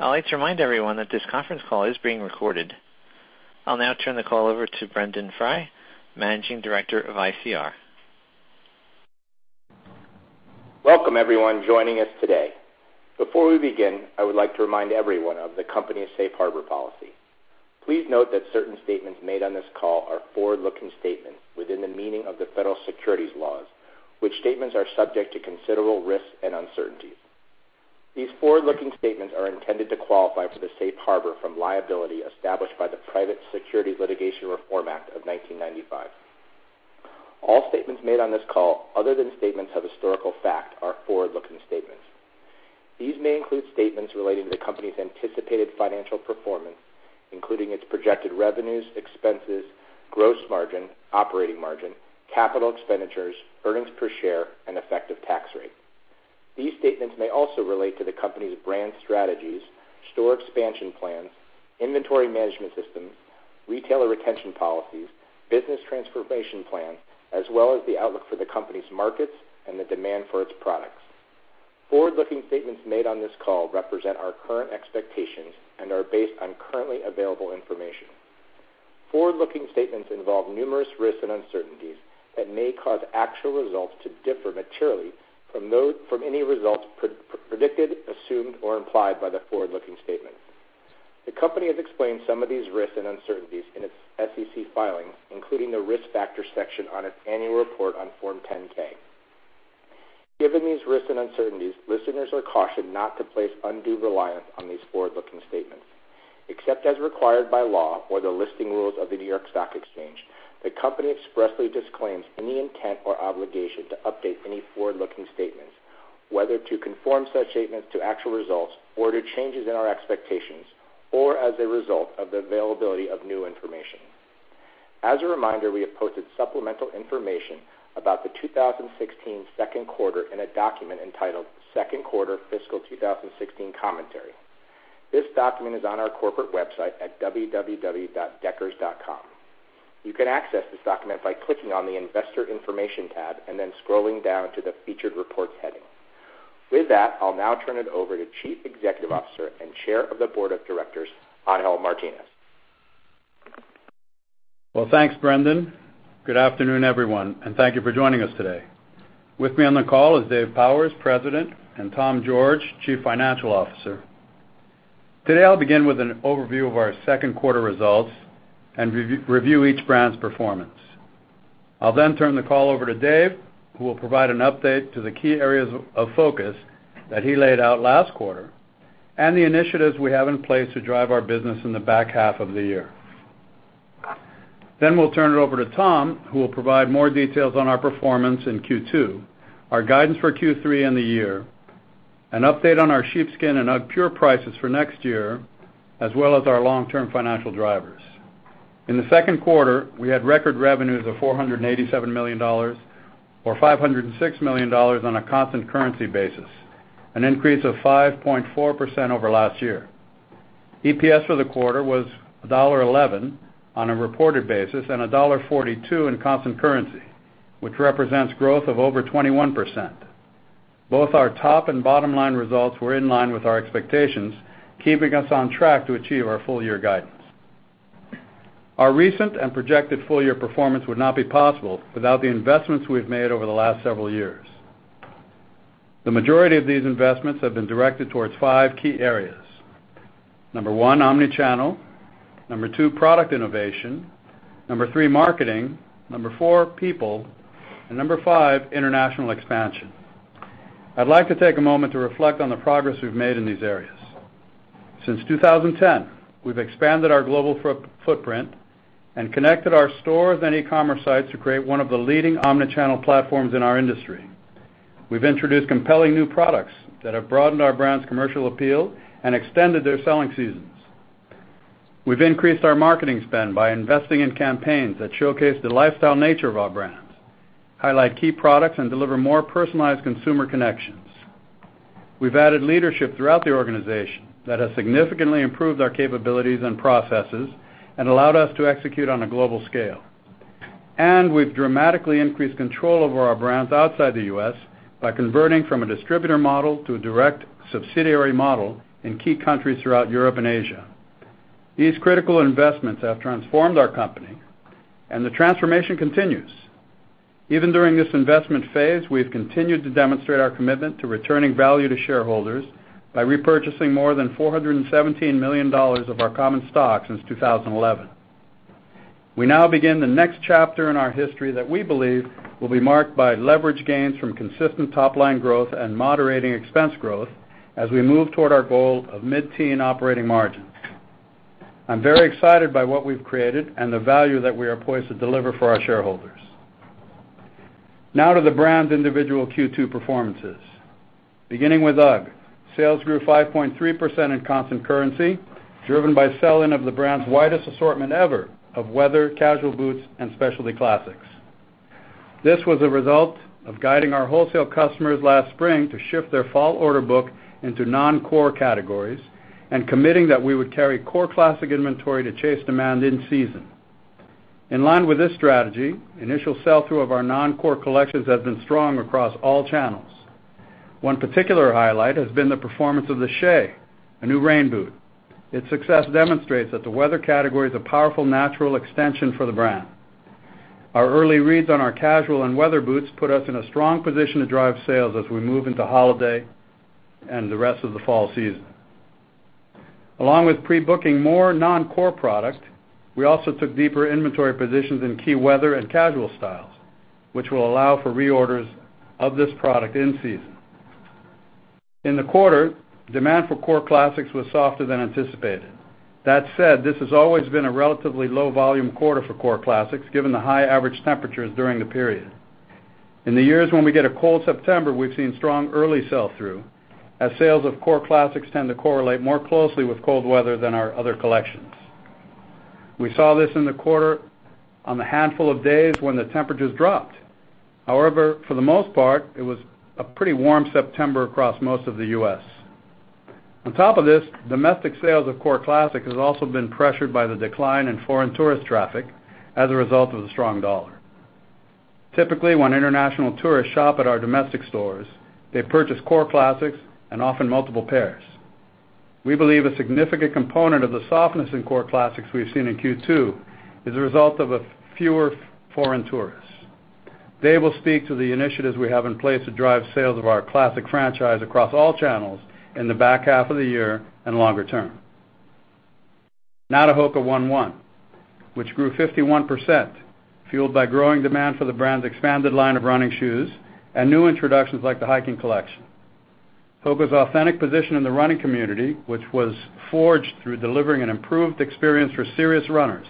I'd like to remind everyone that this conference call is being recorded. I'll now turn the call over to Brendon Frey, Managing Director of ICR. Welcome, everyone joining us today. Before we begin, I would like to remind everyone of the company's safe harbor policy. Please note that certain statements made on this call are forward-looking statements within the meaning of the federal securities laws, which statements are subject to considerable risks and uncertainties. These forward-looking statements are intended to qualify for the safe harbor from liability established by the Private Securities Litigation Reform Act of 1995. All statements made on this call, other than statements of historical fact, are forward-looking statements. These may include statements relating to the company's anticipated financial performance, including its projected revenues, expenses, gross margin, operating margin, capital expenditures, earnings per share, and effective tax rate. These statements may also relate to the company's brand strategies, store expansion plans, inventory management system, retailer retention policies, business transformation plan, as well as the outlook for the company's markets and the demand for its products. Forward-looking statements made on this call represent our current expectations and are based on currently available information. Forward-looking statements involve numerous risks and uncertainties that may cause actual results to differ materially from any results predicted, assumed, or implied by the forward-looking statement. The company has explained some of these risks and uncertainties in its SEC filings, including the Risk Factors section on its annual report on Form 10-K. Given these risks and uncertainties, listeners are cautioned not to place undue reliance on these forward-looking statements. Except as required by law or the listing rules of the New York Stock Exchange, the company expressly disclaims any intent or obligation to update any forward-looking statements, whether to conform such statements to actual results or to changes in our expectations, or as a result of the availability of new information. As a reminder, we have posted supplemental information about the 2016 second quarter in a document entitled Second Quarter Fiscal 2016 Commentary. This document is on our corporate website at www.deckers.com. You can access this document by clicking on the Investor Information tab and then scrolling down to the Featured Reports heading. With that, I'll now turn it over to Chief Executive Officer and Chair of the Board of Directors, Angel Martinez. Well, thanks, Brendon. Good afternoon, everyone, and thank you for joining us today. With me on the call is Dave Powers, President, and Tom George, Chief Financial Officer. Today, I'll begin with an overview of our second quarter results and review each brand's performance. I'll then turn the call over to Dave, who will provide an update to the key areas of focus that he laid out last quarter and the initiatives we have in place to drive our business in the back half of the year. We'll turn it over to Tom, who will provide more details on our performance in Q2, our guidance for Q3 and the year, an update on our sheepskin and UGGpure prices for next year, as well as our long-term financial drivers. In the second quarter, we had record revenues of $487 million, or $506 million on a constant currency basis, an increase of 5.4% over last year. EPS for the quarter was $1.11 on a reported basis and $1.42 in constant currency, which represents growth of over 21%. Both our top and bottom-line results were in line with our expectations, keeping us on track to achieve our full-year guidance. Our recent and projected full-year performance would not be possible without the investments we've made over the last several years. The majority of these investments have been directed towards 5 key areas. Number 1, omni-channel. Number 2, product innovation. Number 3, marketing. Number 4, people. Number 5, international expansion. I'd like to take a moment to reflect on the progress we've made in these areas. Since 2010, we've expanded our global footprint and connected our stores and e-commerce sites to create one of the leading omni-channel platforms in our industry. We've introduced compelling new products that have broadened our brand's commercial appeal and extended their selling seasons. We've increased our marketing spend by investing in campaigns that showcase the lifestyle nature of our brands, highlight key products, and deliver more personalized consumer connections. We've added leadership throughout the organization that has significantly improved our capabilities and processes and allowed us to execute on a global scale. We've dramatically increased control over our brands outside the U.S. by converting from a distributor model to a direct subsidiary model in key countries throughout Europe and Asia. These critical investments have transformed our company, and the transformation continues. Even during this investment phase, we've continued to demonstrate our commitment to returning value to shareholders by repurchasing more than $417 million of our common stock since 2011. We now begin the next chapter in our history that we believe will be marked by leverage gains from consistent top-line growth and moderating expense growth as we move toward our goal of mid-teen operating margins. I'm very excited by what we've created and the value that we are poised to deliver for our shareholders. Now to the brands' individual Q2 performances. Beginning with UGG. Sales grew 5.3% in constant currency, driven by sell-in of the brand's widest assortment ever of weather, casual boots, and specialty classics. This was a result of guiding our wholesale customers last spring to shift their fall order book into non-core categories and committing that we would carry core classic inventory to chase demand in season. In line with this strategy, initial sell-through of our non-core collections has been strong across all channels. One particular highlight has been the performance of the Shaye, a new rain boot. Its success demonstrates that the weather category is a powerful natural extension for the brand. Our early reads on our casual and weather boots put us in a strong position to drive sales as we move into holiday and the rest of the fall season. Along with pre-booking more non-core product, we also took deeper inventory positions in key weather and casual styles, which will allow for reorders of this product in season. In the quarter, demand for core classics was softer than anticipated. That said, this has always been a relatively low volume quarter for core classics, given the high average temperatures during the period. In the years when we get a cold September, we've seen strong early sell-through, as sales of core classics tend to correlate more closely with cold weather than our other collections. We saw this in the quarter on the handful of days when the temperatures dropped. However, for the most part, it was a pretty warm September across most of the U.S. On top of this, domestic sales of core classics has also been pressured by the decline in foreign tourist traffic as a result of the strong dollar. Typically, when international tourists shop at our domestic stores, they purchase core classics and often multiple pairs. We believe a significant component of the softness in core classics we've seen in Q2 is the result of fewer foreign tourists. Dave will speak to the initiatives we have in place to drive sales of our classic franchise across all channels in the back half of the year and longer term. Now to HOKA ONE ONE, which grew 51%, fueled by growing demand for the brand's expanded line of running shoes and new introductions like the hiking collection. HOKA's authentic position in the running community, which was forged through delivering an improved experience for serious runners,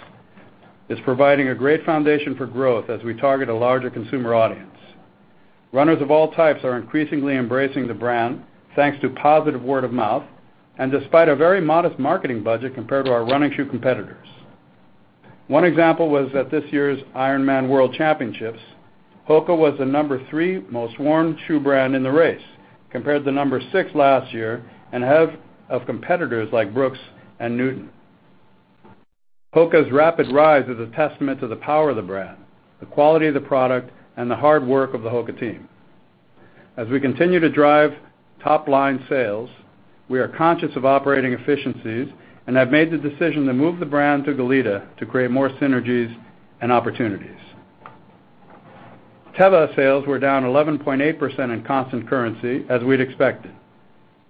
is providing a great foundation for growth as we target a larger consumer audience. Runners of all types are increasingly embracing the brand, thanks to positive word of mouth and despite a very modest marketing budget compared to our running shoe competitors. One example was at this year's Ironman World Championship, HOKA was the number 3 most worn shoe brand in the race, compared to number 6 last year and ahead of competitors like Brooks and Newton. HOKA's rapid rise is a testament to the power of the brand, the quality of the product, and the hard work of the HOKA team. As we continue to drive top-line sales, we are conscious of operating efficiencies and have made the decision to move the brand to Goleta to create more synergies and opportunities. Teva sales were down 11.8% in constant currency, as we'd expected.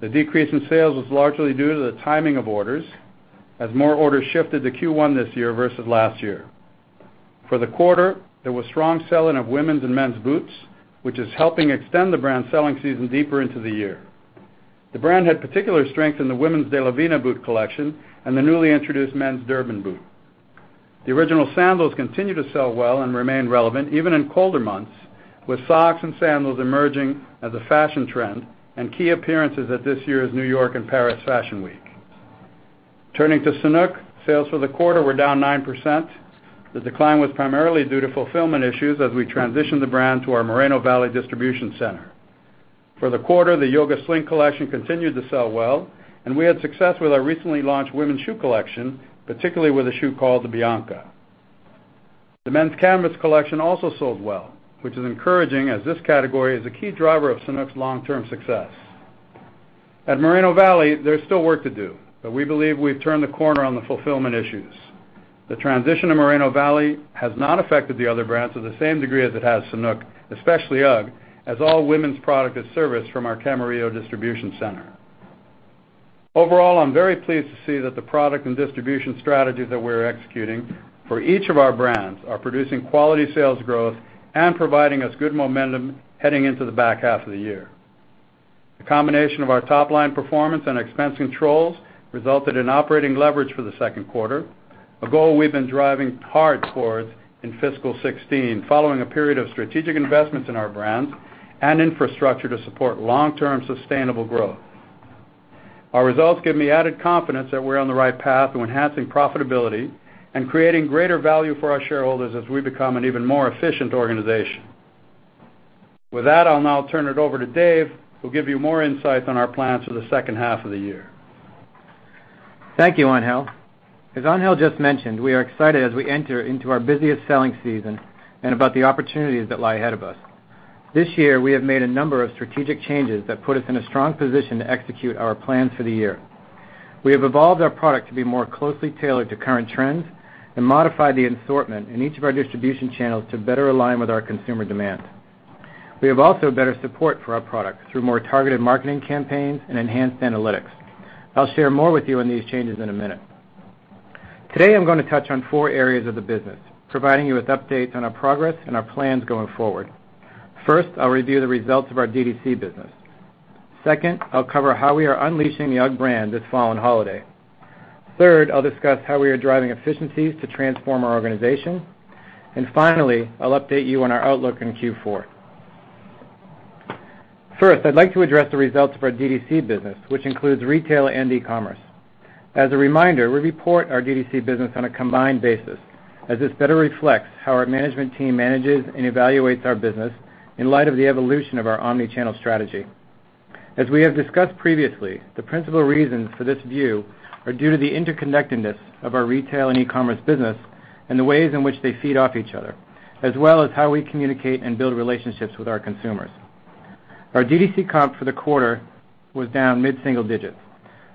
The decrease in sales was largely due to the timing of orders, as more orders shifted to Q1 this year versus last year. For the quarter, there was strong selling of women's and men's boots, which is helping extend the brand's selling season deeper into the year. The brand had particular strength in the women's De La Vina boot collection and the newly introduced men's Durban boot. The original sandals continue to sell well and remain relevant even in colder months, with socks and sandals emerging as a fashion trend and key appearances at this year's New York and Paris Fashion Week. Turning to Sanuk, sales for the quarter were down 9%. The decline was primarily due to fulfillment issues as we transitioned the brand to our Moreno Valley distribution center. For the quarter, the Yoga Sling collection continued to sell well, and we had success with our recently launched women's shoe collection, particularly with a shoe called the Bianca. The men's canvas collection also sold well, which is encouraging as this category is a key driver of Sanuk's long-term success. At Moreno Valley, there's still work to do, but we believe we've turned the corner on the fulfillment issues. The transition to Moreno Valley has not affected the other brands to the same degree as it has Sanuk, especially UGG, as all women's product is serviced from our Camarillo distribution center. Overall, I'm very pleased to see that the product and distribution strategies that we're executing for each of our brands are producing quality sales growth and providing us good momentum heading into the back half of the year. The combination of our top-line performance and expense controls resulted in operating leverage for the second quarter, a goal we've been driving hard towards in fiscal 2016, following a period of strategic investments in our brands and infrastructure to support long-term sustainable growth. Our results give me added confidence that we're on the right path to enhancing profitability and creating greater value for our shareholders as we become an even more efficient organization. With that, I'll now turn it over to Dave, who'll give you more insights on our plans for the second half of the year. Thank you, Angel. As Angel just mentioned, we are excited as we enter into our busiest selling season and about the opportunities that lie ahead of us. This year, we have made a number of strategic changes that put us in a strong position to execute our plans for the year. We have evolved our product to be more closely tailored to current trends and modified the assortment in each of our distribution channels to better align with our consumer demand. We have also better support for our products through more targeted marketing campaigns and enhanced analytics. I'll share more with you on these changes in a minute. Today, I'm going to touch on four areas of the business, providing you with updates on our progress and our plans going forward. First, I'll review the results of our DTC business. Second, I'll cover how we are unleashing the UGG brand this fall and holiday. Third, I'll discuss how we are driving efficiencies to transform our organization. Finally, I'll update you on our outlook in Q4. First, I'd like to address the results of our DTC business, which includes retail and e-commerce. As a reminder, we report our DTC business on a combined basis, as this better reflects how our management team manages and evaluates our business in light of the evolution of our omni-channel strategy. As we have discussed previously, the principal reasons for this view are due to the interconnectedness of our retail and e-commerce business and the ways in which they feed off each other, as well as how we communicate and build relationships with our consumers. Our DTC comp for the quarter was down mid-single digits.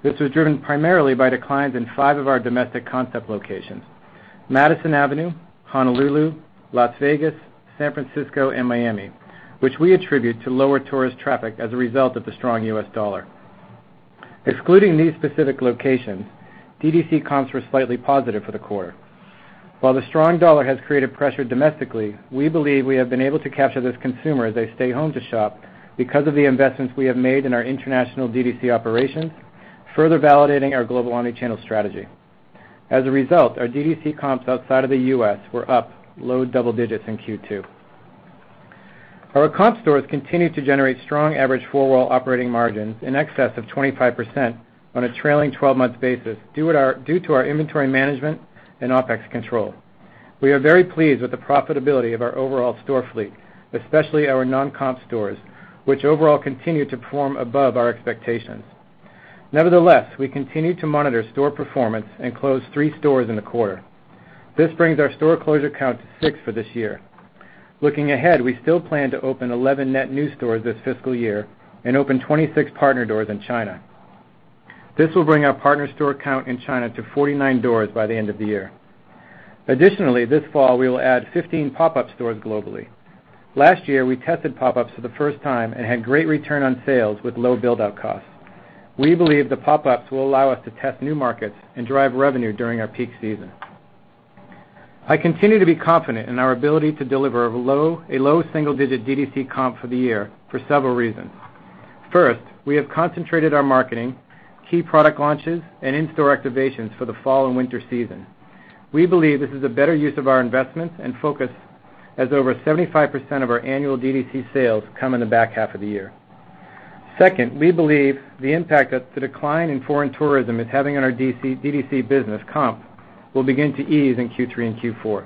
This was driven primarily by declines in five of our domestic concept locations, Madison Avenue, Honolulu, Las Vegas, San Francisco, and Miami, which we attribute to lower tourist traffic as a result of the strong U.S. dollar. Excluding these specific locations, DTC comps were slightly positive for the quarter. While the strong dollar has created pressure domestically, we believe we have been able to capture this consumer as they stay home to shop because of the investments we have made in our international DTC operations, further validating our global omni-channel strategy. As a result, our DTC comps outside of the U.S. were up low double digits in Q2. Our comp stores continued to generate strong average four-wall operating margins in excess of 25% on a trailing 12-month basis due to our inventory management and OpEx control. We are very pleased with the profitability of our overall store fleet, especially our non-comp stores, which overall continue to perform above our expectations. Nevertheless, we continue to monitor store performance and closed three stores in the quarter. This brings our store closure count to six for this year. Looking ahead, we still plan to open 11 net new stores this fiscal year and open 26 partner doors in China. This will bring our partner store count in China to 49 doors by the end of the year. Additionally, this fall, we will add 15 pop-up stores globally. Last year, we tested pop-ups for the first time and had great return on sales with low build-out costs. We believe the pop-ups will allow us to test new markets and drive revenue during our peak season. I continue to be confident in our ability to deliver a low single-digit DTC comp for the year for several reasons. First, we have concentrated our marketing, key product launches, and in-store activations for the fall and winter season. We believe this is a better use of our investments and focus as over 75% of our annual DTC sales come in the back half of the year. Second, we believe the impact that the decline in foreign tourism is having on our DTC business comp will begin to ease in Q3 and Q4.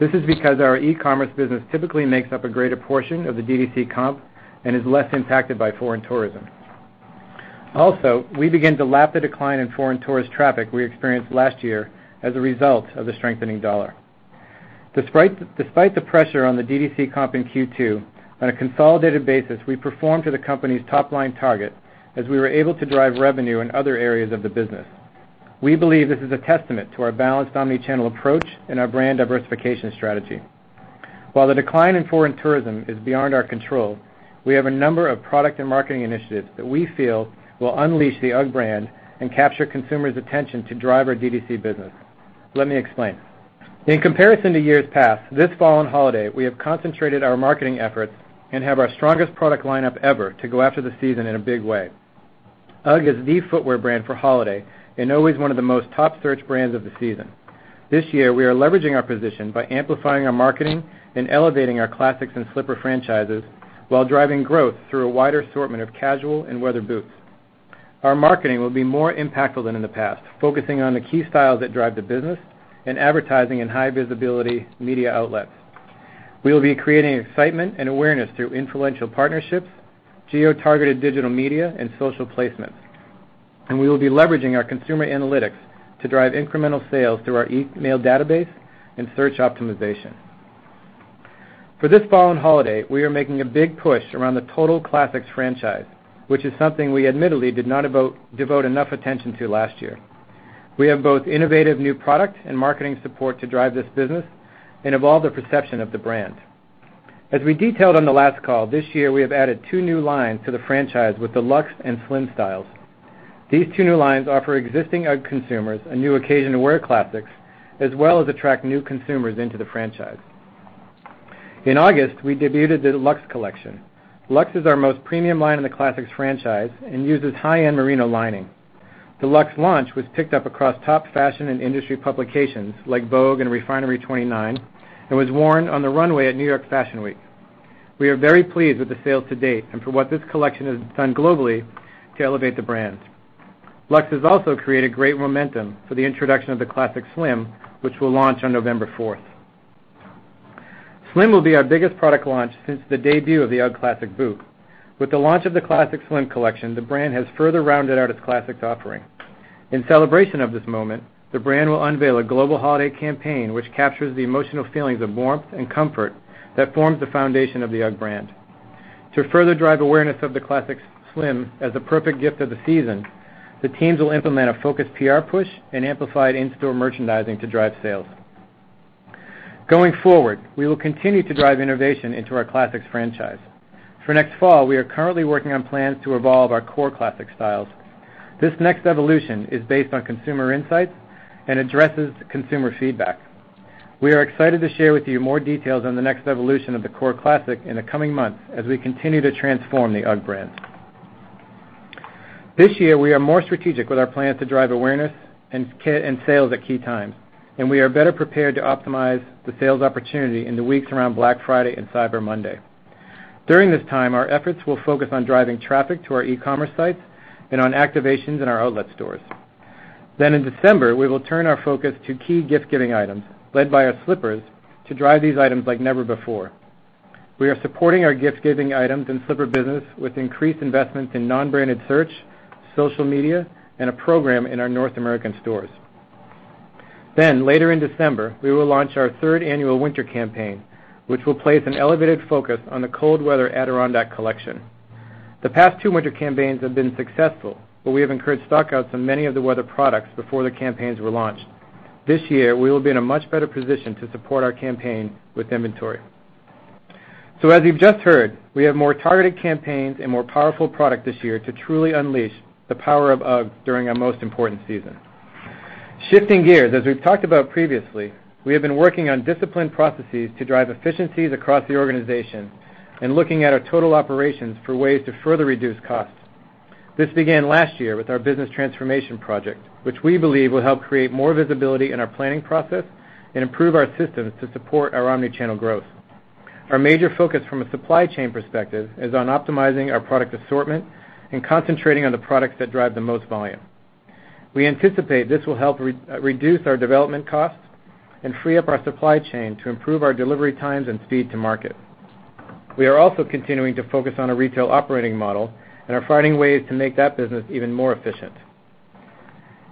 This is because our e-commerce business typically makes up a greater portion of the DTC comp and is less impacted by foreign tourism. We begin to lap the decline in foreign tourist traffic we experienced last year as a result of the strengthening dollar. Despite the pressure on the DTC comp in Q2, on a consolidated basis, we performed to the company's top-line target as we were able to drive revenue in other areas of the business. We believe this is a testament to our balanced omni-channel approach and our brand diversification strategy. While the decline in foreign tourism is beyond our control, we have a number of product and marketing initiatives that we feel will unleash the UGG brand and capture consumers' attention to drive our DTC business. Let me explain. In comparison to years past, this fall and holiday, we have concentrated our marketing efforts and have our strongest product lineup ever to go after the season in a big way. UGG is the footwear brand for holiday and always one of the most top searched brands of the season. This year, we are leveraging our position by amplifying our marketing and elevating our classics and slipper franchises while driving growth through a wider assortment of casual and weather boots. Our marketing will be more impactful than in the past, focusing on the key styles that drive the business and advertising in high visibility media outlets. We will be creating excitement and awareness through influential partnerships, geo-targeted digital media, and social placements. We will be leveraging our consumer analytics to drive incremental sales through our email database and search optimization. For this fall and holiday, we are making a big push around the total classics franchise, which is something we admittedly did not devote enough attention to last year. We have both innovative new product and marketing support to drive this business and evolve the perception of the brand. As we detailed on the last call, this year we have added two new lines to the franchise with the Luxe and Slim styles. These two new lines offer existing UGG consumers a new occasion to wear classics, as well as attract new consumers into the franchise. In August, we debuted the Luxe collection. Luxe is our most premium line in the Classics franchise and uses high-end Merino lining. The Luxe launch was picked up across top fashion and industry publications like Vogue and Refinery29 and was worn on the runway at New York Fashion Week. We are very pleased with the sales to date and for what this collection has done globally to elevate the brand. Luxe has also created great momentum for the introduction of the Classic Slim, which will launch on November 4th. Slim will be our biggest product launch since the debut of the UGG Classic boot. With the launch of the Classic Slim collection, the brand has further rounded out its Classics offering. In celebration of this moment, the brand will unveil a global holiday campaign which captures the emotional feelings of warmth and comfort that forms the foundation of the UGG brand. To further drive awareness of the Classic Slim as the perfect gift of the season, the teams will implement a focused PR push and amplified in-store merchandising to drive sales. Going forward, we will continue to drive innovation into our Classics franchise. For next fall, we are currently working on plans to evolve our core Classic styles. This next evolution is based on consumer insights and addresses consumer feedback. We are excited to share with you more details on the next evolution of the core Classic in the coming months as we continue to transform the UGG brand. This year, we are more strategic with our plans to drive awareness and sales at key times. We are better prepared to optimize the sales opportunity in the weeks around Black Friday and Cyber Monday. During this time, our efforts will focus on driving traffic to our e-commerce sites and on activations in our outlet stores. In December, we will turn our focus to key gift-giving items, led by our slippers, to drive these items like never before. We are supporting our gift-giving items and slipper business with increased investments in non-branded search, social media, and a program in our North American stores. Later in December, we will launch our third annual winter campaign, which will place an elevated focus on the cold weather Adirondack collection. The past two winter campaigns have been successful. We have incurred stockouts on many of the weather products before the campaigns were launched. This year, we will be in a much better position to support our campaign with inventory. As you've just heard, we have more targeted campaigns and more powerful product this year to truly unleash the power of UGG during our most important season. Shifting gears, as we've talked about previously, we have been working on disciplined processes to drive efficiencies across the organization and looking at our total operations for ways to further reduce costs. This began last year with our business transformation project, which we believe will help create more visibility in our planning process and improve our systems to support our omni-channel growth. Our major focus from a supply chain perspective is on optimizing our product assortment and concentrating on the products that drive the most volume. We anticipate this will help reduce our development costs and free up our supply chain to improve our delivery times and speed to market. We are also continuing to focus on a retail operating model and are finding ways to make that business even more efficient.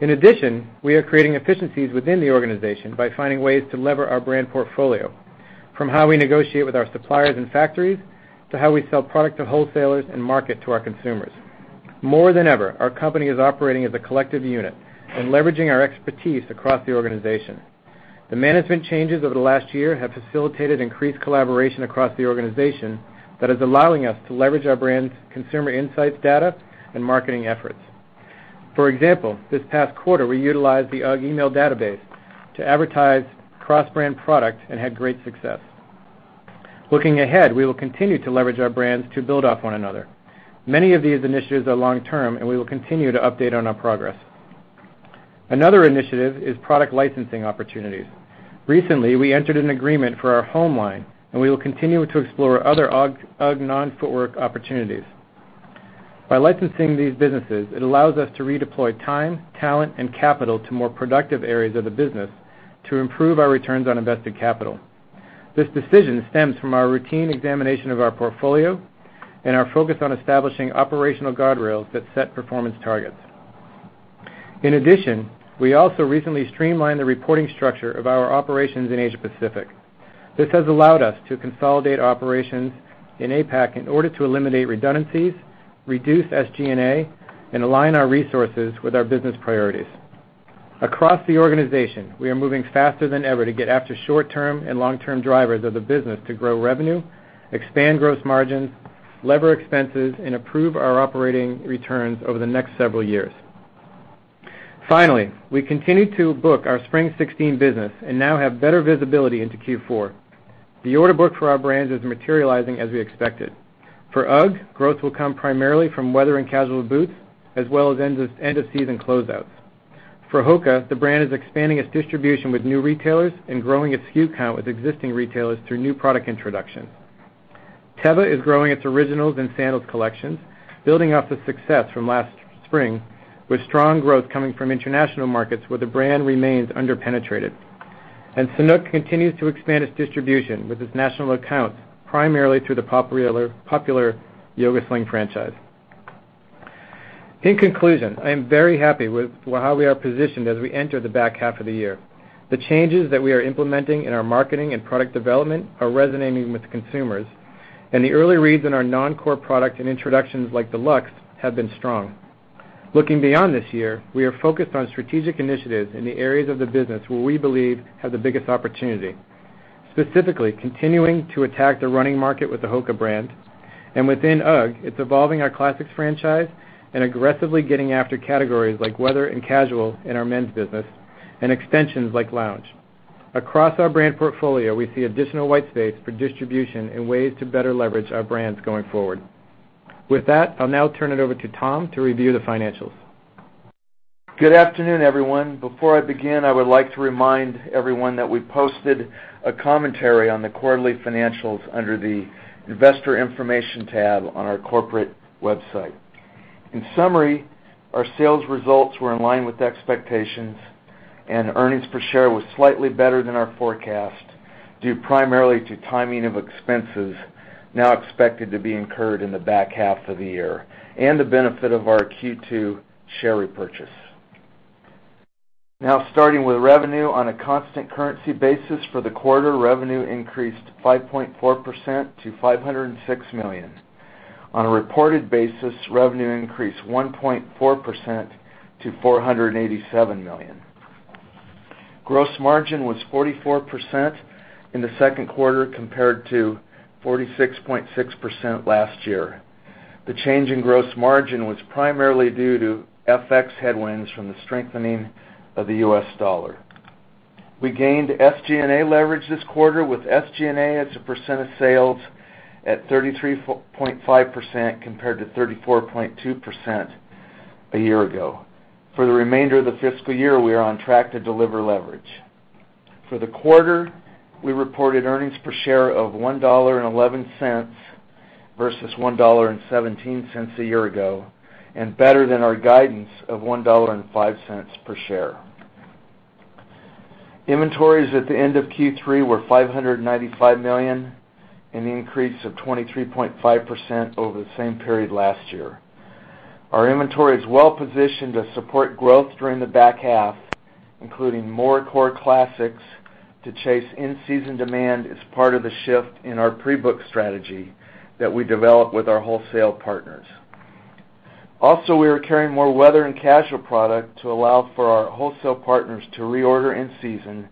In addition, we are creating efficiencies within the organization by finding ways to lever our brand portfolio, from how we negotiate with our suppliers and factories, to how we sell product to wholesalers and market to our consumers. More than ever, our company is operating as a collective unit and leveraging our expertise across the organization. The management changes over the last year have facilitated increased collaboration across the organization that is allowing us to leverage our brand's consumer insights data and marketing efforts. For example, this past quarter, we utilized the UGG email database to advertise cross-brand product and had great success. Looking ahead, we will continue to leverage our brands to build off one another. Many of these initiatives are long-term. We will continue to update on our progress. Another initiative is product licensing opportunities. Recently, we entered an agreement for our home line. We will continue to explore other UGG non-footwear opportunities. By licensing these businesses, it allows us to redeploy time, talent, and capital to more productive areas of the business to improve our returns on invested capital. This decision stems from our routine examination of our portfolio and our focus on establishing operational guardrails that set performance targets. In addition, we also recently streamlined the reporting structure of our operations in Asia Pacific. This has allowed us to consolidate operations in APAC in order to eliminate redundancies, reduce SG&A, and align our resources with our business priorities. Across the organization, we are moving faster than ever to get after short-term and long-term drivers of the business to grow revenue, expand gross margins, lever expenses, and improve our operating returns over the next several years. Finally, we continue to book our spring 2016 business and now have better visibility into Q4. The order book for our brands is materializing as we expected. For UGG, growth will come primarily from weather and casual boots, as well as end-of-season closeouts. For HOKA, the brand is expanding its distribution with new retailers and growing its SKU count with existing retailers through new product introductions. Teva is growing its originals and sandals collections, building off the success from last spring, with strong growth coming from international markets where the brand remains under-penetrated. Sanuk continues to expand its distribution with its national accounts, primarily through the popular Yoga Sling franchise. In conclusion, I am very happy with how we are positioned as we enter the back half of the year. The changes that we are implementing in our marketing and product development are resonating with consumers, and the early reads on our non-core product and introductions like the Luxe have been strong. Looking beyond this year, we are focused on strategic initiatives in the areas of the business where we believe have the biggest opportunity. Specifically, continuing to attack the running market with the HOKA brand, and within UGG, it's evolving our classics franchise and aggressively getting after categories like weather and casual in our men's business and extensions like lounge. Across our brand portfolio, we see additional white space for distribution and ways to better leverage our brands going forward. With that, I'll now turn it over to Tom to review the financials. Good afternoon, everyone. Before I begin, I would like to remind everyone that we posted a commentary on the quarterly financials under the Investor Information tab on our corporate website. In summary, our sales results were in line with expectations, and earnings per share was slightly better than our forecast due primarily to timing of expenses now expected to be incurred in the back half of the year and the benefit of our Q2 share repurchase. Now, starting with revenue on a constant currency basis for the quarter, revenue increased 5.4% to $506 million. On a reported basis, revenue increased 1.4% to $487 million. Gross margin was 44% in the second quarter compared to 46.6% last year. The change in gross margin was primarily due to FX headwinds from the strengthening of the US dollar. We gained SG&A leverage this quarter with SG&A as a % of sales at 33.5% compared to 34.2% a year ago. For the remainder of the fiscal year, we are on track to deliver leverage. For the quarter, we reported earnings per share of $1.11 versus $1.17 a year ago, and better than our guidance of $1.05 per share. Inventories at the end of [Q2] were $595 million, an increase of 23.5% over the same period last year. Our inventory is well-positioned to support growth during the back half, including more core classics to chase in-season demand as part of the shift in our pre-book strategy that we developed with our wholesale partners. Also, we are carrying more weather and casual product to allow for our wholesale partners to reorder in season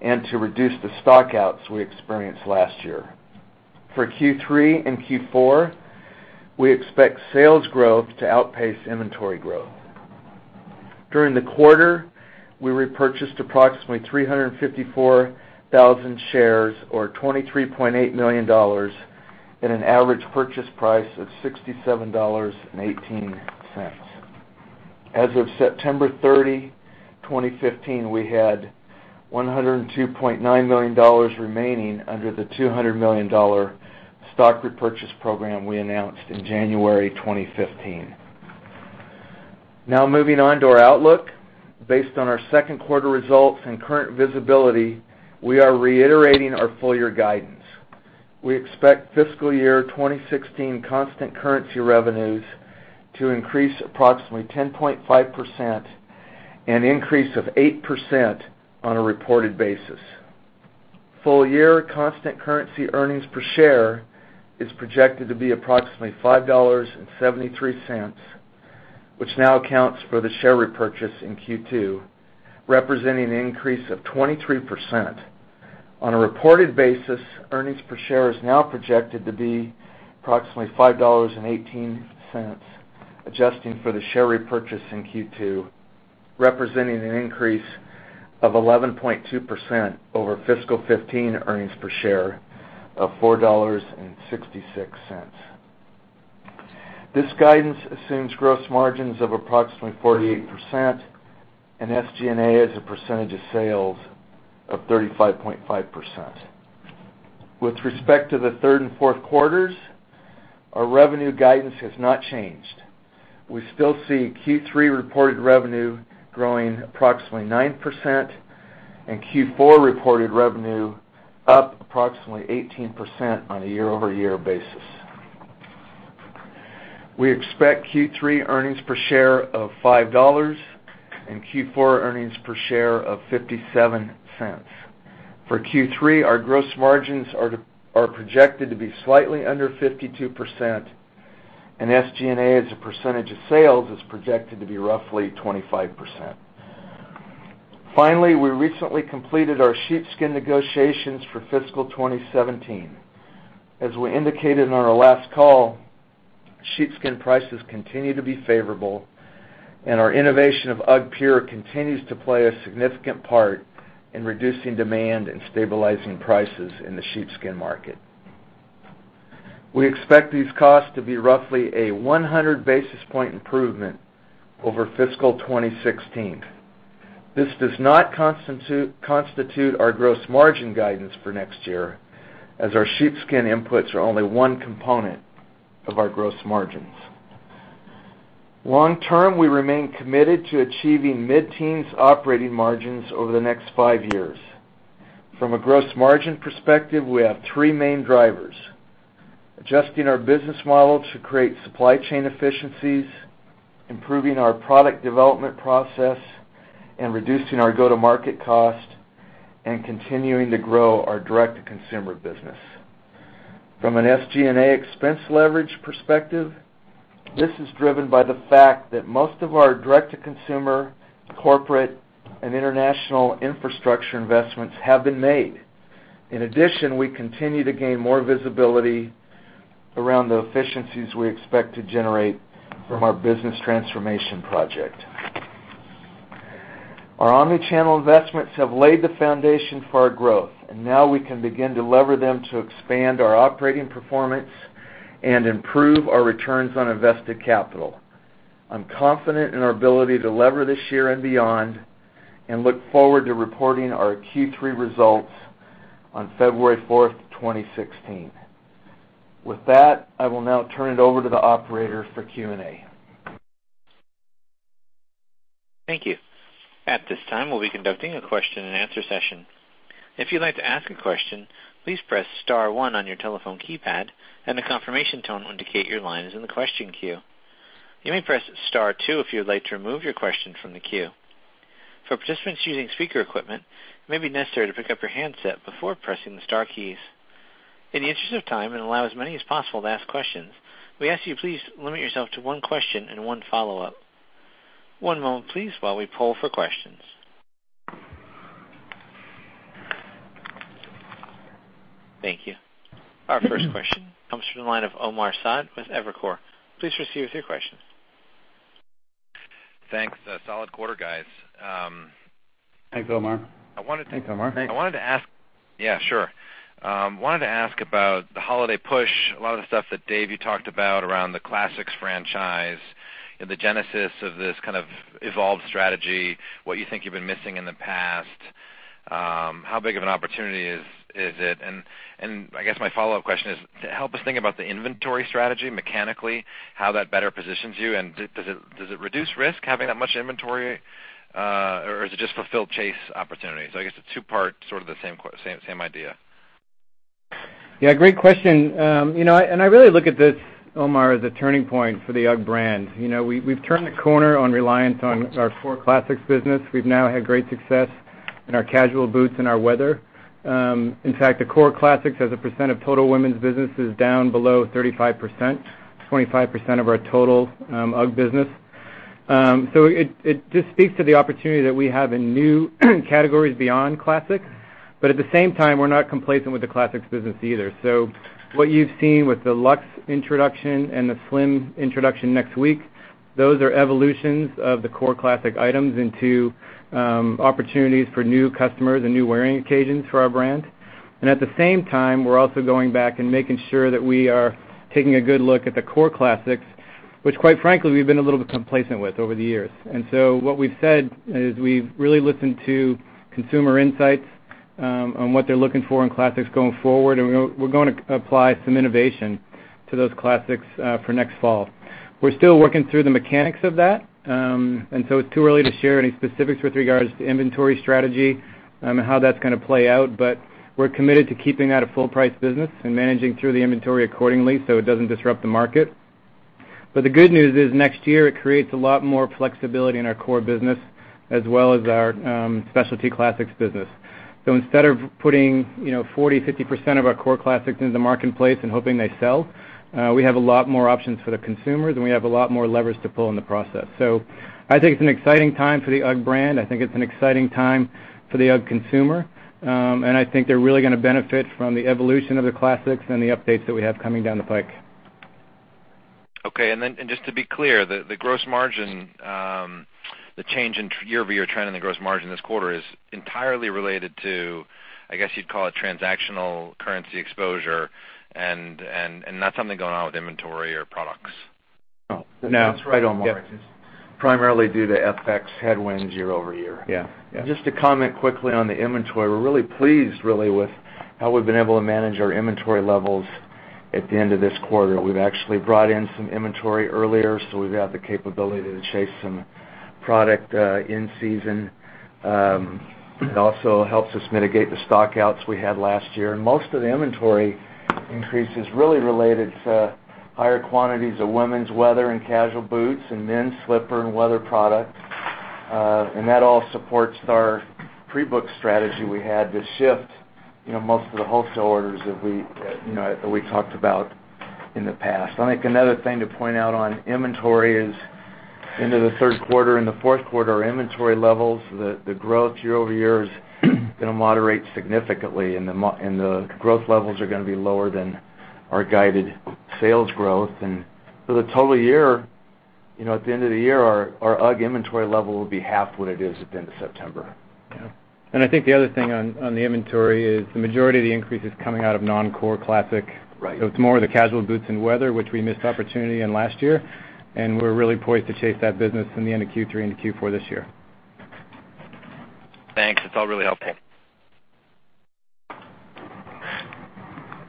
and to reduce the stock-outs we experienced last year. For Q3 and Q4, we expect sales growth to outpace inventory growth. During the quarter, we repurchased approximately 354,000 shares or $23.8 million at an average purchase price of $67.18. As of September 30, 2015, we had $102.9 million remaining under the $200 million stock repurchase program we announced in January 2015. Now, moving on to our outlook. Based on our second quarter results and current visibility, we are reiterating our full-year guidance. We expect fiscal year 2016 constant currency revenues to increase approximately 10.5% and increase of 8% on a reported basis. Full-year constant currency earnings per share is projected to be approximately $5.73, which now accounts for the share repurchase in Q2, representing an increase of 23%. On a reported basis, earnings per share is now projected to be approximately $5.18, adjusting for the share repurchase in Q2, representing an increase of 11.2% over fiscal 2015 earnings per share of $4.66. This guidance assumes gross margins of approximately 48% and SG&A as a % of sales of 35.5%. With respect to the third and fourth quarters, our revenue guidance has not changed. We still see Q3 reported revenue growing approximately 9% and Q4 reported revenue up approximately 18% on a year-over-year basis. We expect Q3 earnings per share of $5 and Q4 earnings per share of $0.57. For Q3, our gross margins are projected to be slightly under 52%, and SG&A, as a % of sales, is projected to be roughly 25%. Finally, we recently completed our sheepskin negotiations for fiscal 2017. As we indicated on our last call, sheepskin prices continue to be favorable, and our innovation of UGGpure continues to play a significant part in reducing demand and stabilizing prices in the sheepskin market. We expect these costs to be roughly a 100-basis-point improvement over fiscal 2016. This does not constitute our gross margin guidance for next year, as our sheepskin inputs are only one component of our gross margins. Long term, we remain committed to achieving mid-teens operating margins over the next five years. From a gross margin perspective, we have three main drivers. Adjusting our business model to create supply chain efficiencies, improving our product development process, and reducing our go-to-market cost, and continuing to grow our direct-to-consumer business. From an SG&A expense leverage perspective, this is driven by the fact that most of our direct-to-consumer, corporate, and international infrastructure investments have been made. In addition, we continue to gain more visibility around the efficiencies we expect to generate from our business transformation project. Our omni-channel investments have laid the foundation for our growth, and now we can begin to lever them to expand our operating performance and improve our returns on invested capital. I'm confident in our ability to lever this year and beyond, and look forward to reporting our Q3 results on February 4th, 2016. With that, I will now turn it over to the operator for Q&A. Thank you. At this time, we'll be conducting a question and answer session. If you'd like to ask a question, please press *1 on your telephone keypad, and a confirmation tone will indicate your line is in the question queue. You may press *2 if you would like to remove your question from the queue. For participants using speaker equipment, it may be necessary to pick up your handset before pressing the star keys. In the interest of time and allow as many as possible to ask questions, we ask you please limit yourself to one question and one follow-up. One moment, please, while we poll for questions. Thank you. Our first question comes from the line of Omar Saad with Evercore. Please proceed with your question. Thanks. A solid quarter, guys. Thanks, Omar. I wanted to Thanks, Omar. I wanted to ask. Yeah, sure I wanted to ask about the holiday push, a lot of the stuff that Dave, you talked about around the Classics franchise and the genesis of this kind of evolved strategy, what you think you've been missing in the past. How big of an opportunity is it? I guess my follow-up question is, help us think about the inventory strategy mechanically, how that better positions you, and does it reduce risk having that much inventory, or is it just fulfilled chase opportunities? I guess it's two-part, sort of the same idea. Yeah, great question. I really look at this, Omar, as a turning point for the UGG brand. We've turned the corner on reliance on our core Classics business. We've now had great success in our casual boots and our weather. In fact, the core Classics as a percent of total women's business is down below 35%, 25% of our total UGG business. It just speaks to the opportunity that we have in new categories beyond Classics. At the same time, we're not complacent with the Classics business either. What you've seen with the Luxe introduction and the Slim introduction next week, those are evolutions of the core classic items into opportunities for new customers and new wearing occasions for our brand. At the same time, we're also going back and making sure that we are taking a good look at the core classics, which quite frankly, we've been a little bit complacent with over the years. What we've said is we've really listened to consumer insights on what they're looking for in classics going forward, and we're going to apply some innovation to those classics for next fall. We're still working through the mechanics of that. It's too early to share any specifics with regards to inventory strategy and how that's going to play out. We're committed to keeping that a full-price business and managing through the inventory accordingly so it doesn't disrupt the market. The good news is next year it creates a lot more flexibility in our core business as well as our specialty classics business. Instead of putting 40%-50% of our core classics into the marketplace and hoping they sell, we have a lot more options for the consumers, and we have a lot more levers to pull in the process. I think it's an exciting time for the UGG brand. I think it's an exciting time for the UGG consumer. I think they're really going to benefit from the evolution of the classics and the updates that we have coming down the pike. Okay. Just to be clear, the change in year-over-year trend in the gross margin this quarter is entirely related to, I guess you'd call it transactional currency exposure and not something going on with inventory or products. No. That's right, Omar. It's primarily due to FX headwinds year-over-year. Yeah. Just to comment quickly on the inventory, we're really pleased really with how we've been able to manage our inventory levels at the end of this quarter. We've actually brought in some inventory earlier, so we've had the capability to chase some product in season. It also helps us mitigate the stock-outs we had last year. Most of the inventory increase is really related to higher quantities of women's weather and casual boots and men's slipper and weather products. That all supports our pre-book strategy we had to shift most of the wholesale orders that we talked about in the past. I think another thing to point out on inventory is into the third quarter and the fourth quarter, our inventory levels, the growth year-over-year is going to moderate significantly, and the growth levels are going to be lower than our guided sales growth. The total year, at the end of the year, our UGG inventory level will be half what it is at the end of September. Yeah. I think the other thing on the inventory is the majority of the increase is coming out of non-core Classic. Right. It's more of the casual boots and weather, which we missed opportunity in last year, and we're really poised to chase that business from the end of Q3 into Q4 this year. Thanks. It's all really helpful.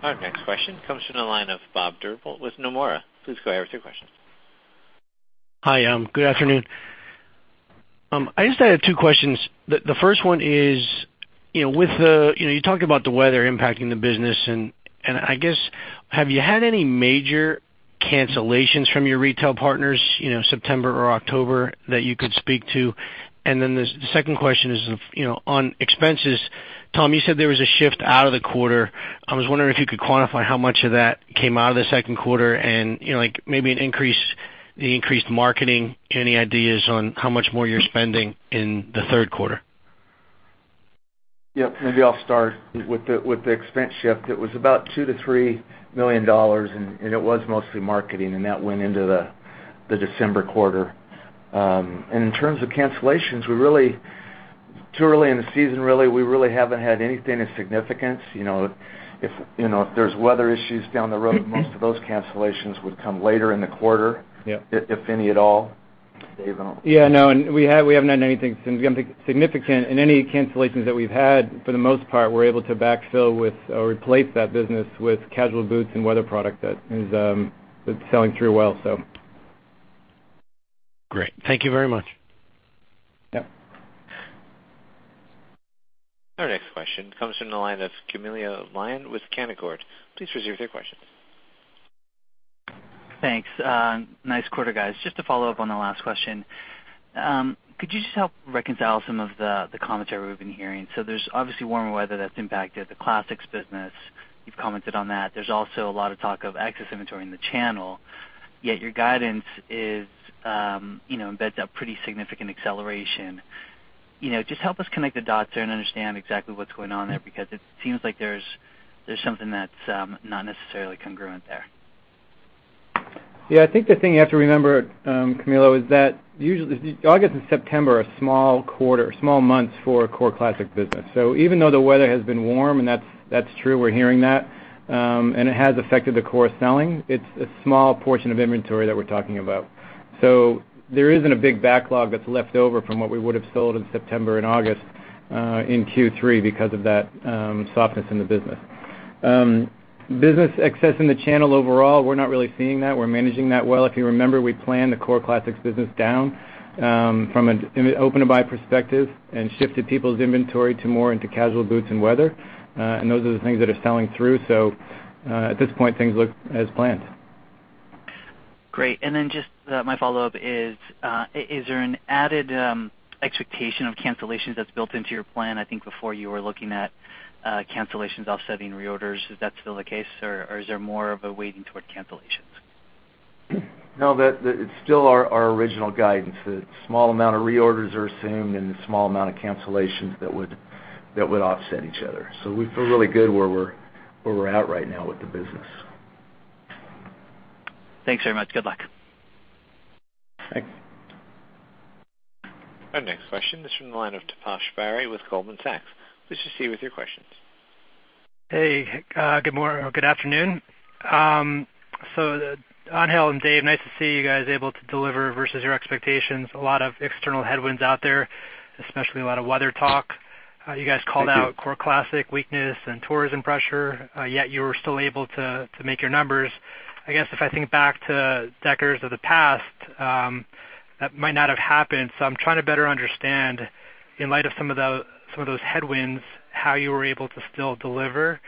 Our next question comes from the line of Bob Drbul with Nomura. Please go ahead with your question. Hi. Good afternoon. I just had two questions. The first one is, you talked about the weather impacting the business, and I guess, have you had any major cancellations from your retail partners, September or October, that you could speak to? The second question is on expenses. Tom, you said there was a shift out of the quarter. I was wondering if you could quantify how much of that came out of the second quarter and maybe the increased marketing. Any ideas on how much more you're spending in the third quarter? Yep. Maybe I'll start with the expense shift. It was about $2 million-$3 million, it was mostly marketing, and that went into the December quarter. In terms of cancellations, too early in the season really, we really haven't had anything of significance. If there's weather issues down the road, most of those cancellations would come later in the quarter- Yeah if any at all. Dave? Yeah, no, we haven't had anything significant. Any cancellations that we've had, for the most part, we're able to backfill with or replace that business with casual boots and weather product that's selling through well. Great. Thank you very much. Yeah. Our next question comes from the line of Camilo Lyon with Canaccord. Please proceed with your question. Thanks. Nice quarter, guys. Just to follow up on the last question, could you just help reconcile some of the commentary we've been hearing? There's obviously warmer weather that's impacted the Classic business. You've commented on that. There's also a lot of talk of excess inventory in the channel, yet your guidance embeds a pretty significant acceleration. Just help us connect the dots there and understand exactly what's going on there, because it seems like there's something that's not necessarily congruent there. I think the thing you have to remember, Camilo, is that usually August and September are small months for core Classic business. Even though the weather has been warm, and that's true, we're hearing that, and it has affected the core selling, it's a small portion of inventory that we're talking about. There isn't a big backlog that's left over from what we would've sold in September and August in Q3 because of that softness in the business. Business excess in the channel overall, we're not really seeing that. We're managing that well. If you remember, we planned the core Classic business down from an open-to-buy perspective and shifted people's inventory more into casual boots and weather. Those are the things that are selling through. At this point, things look as planned. Great. Just my follow-up is there an added expectation of cancellations that's built into your plan? I think before you were looking at cancellations offsetting reorders. Is that still the case, or is there more of a weighting toward cancellations? No, it's still our original guidance. A small amount of reorders are assumed and a small amount of cancellations that would offset each other. We feel really good where we're out right now with the business. Thanks very much. Good luck. Thanks. Our next question is from the line of Taposh Bari with Goldman Sachs. Please proceed with your questions. Hey, good morning or good afternoon. Angel and Dave, nice to see you guys able to deliver versus your expectations. A lot of external headwinds out there, especially a lot of weather talk. Thank you. You guys called out core classic weakness and tourism pressure, yet you were still able to make your numbers. I guess if I think back to Deckers of the past, that might not have happened. I'm trying to better understand, in light of some of those headwinds, how you were able to still deliver,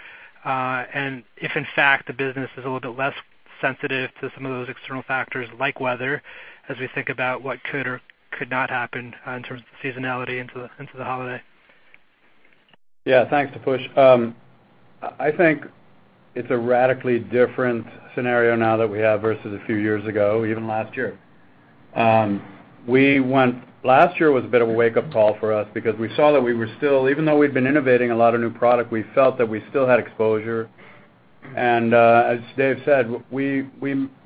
and if in fact the business is a little bit less sensitive to some of those external factors like weather, as we think about what could or could not happen in terms of seasonality into the holiday. Yeah. Thanks, Taposh. I think it's a radically different scenario now that we have versus a few years ago, even last year. Last year was a bit of a wake-up call for us because we saw that, even though we'd been innovating a lot of new product, we felt that we still had exposure. As Dave said, we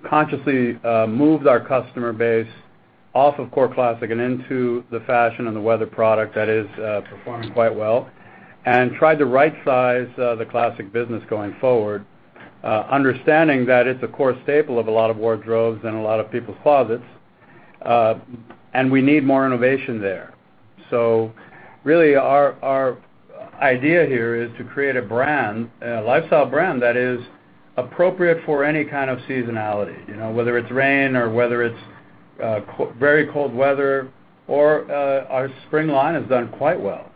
consciously moved our customer base off of core classic and into the fashion and the weather product that is performing quite well and tried to right-size the classic business going forward, understanding that it's a core staple of a lot of wardrobes and a lot of people's closets. We need more innovation there. Really our idea here is to create a lifestyle brand that is appropriate for any kind of seasonality, whether it's rain or whether it's very cold weather or our spring line has done quite well.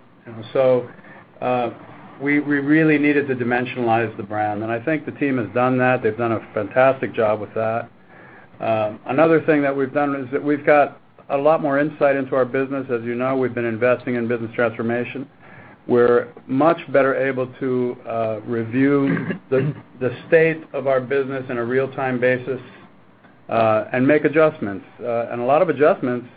We really needed to dimensionalize the brand, and I think the team has done that. They've done a fantastic job with that. Another thing that we've done is that we've got a lot more insight into our business. As you know, we've been investing in business transformation. We're much better able to review the state of our business in a real-time basis, and make adjustments. A lot of adjustments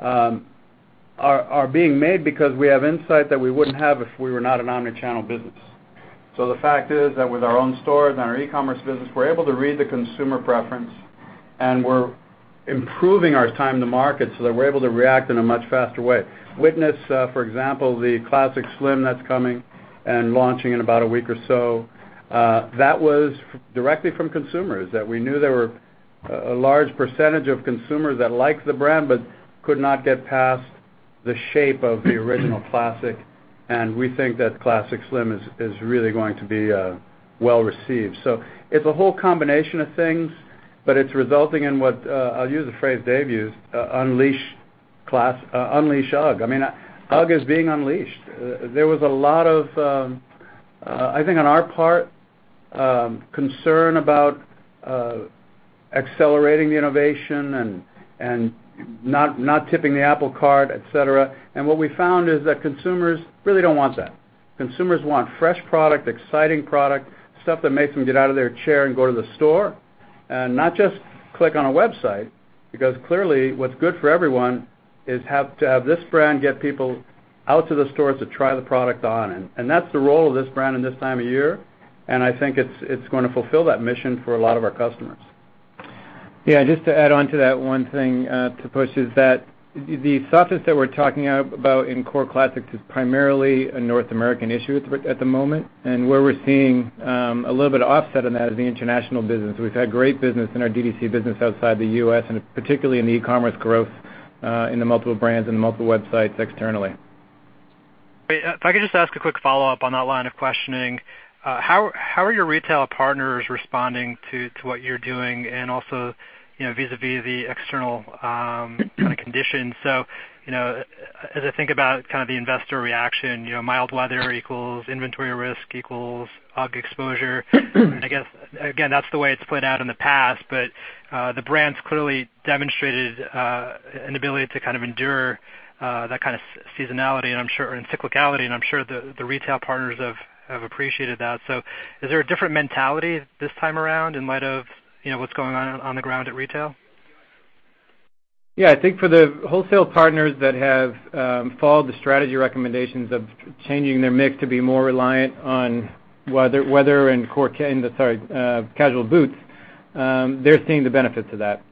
are being made because we have insight that we wouldn't have if we were not an omni-channel business. The fact is that with our own stores and our e-commerce business, we're able to read the consumer preference, and we're improving our time to market so that we're able to react in a much faster way. Witness, for example, the Classic Slim that's coming and launching in about a week or so. That was directly from consumers, that we knew there were a large percentage of consumers that liked the brand but could not get past the shape of the original Classic, and we think that Classic Slim is really going to be well received. It's a whole combination of things, but it's resulting in what, I'll use the phrase Dave used, "Unleash UGG." UGG is being unleashed. There was a lot of, I think on our part, concern about accelerating the innovation and not tipping the apple cart, et cetera. What we found is that consumers really don't want that. Consumers want fresh product, exciting product, stuff that makes them get out of their chair and go to the store and not just click on a website. Clearly what's good for everyone is to have this brand get people out to the stores to try the product on. That's the role of this brand in this time of year, and I think it's going to fulfill that mission for a lot of our customers. Yeah, just to add on to that one thing, Taposh, is that the softness that we're talking about in core classics is primarily a North American issue at the moment. Where we're seeing a little bit of offset in that is the international business. We've had great business in our D2C business outside the U.S., and particularly in the e-commerce growth, in the multiple brands and the multiple websites externally. If I could just ask a quick follow-up on that line of questioning. How are your retail partners responding to what you're doing and also vis-à-vis the external kind of conditions? As I think about the investor reaction, mild weather equals inventory risk equals UGG exposure. I guess, again, that's the way it's played out in the past, but the brand's clearly demonstrated an ability to kind of endure that kind of seasonality and I'm sure, and cyclicality, and I'm sure the retail partners have appreciated that. Is there a different mentality this time around in light of what's going on the ground at retail? Yeah. I think for the wholesale partners that have followed the strategy recommendations of changing their mix to be more reliant on weather and casual boots, they're seeing the benefits of that.